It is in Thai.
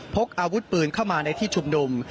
พกอาวุธปืนเข้ามาในที่ชุมนุม